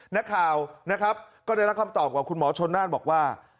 นักข่าวนะครับก็ได้รับคำตอบกับคุณหมอชนน่านบอกว่า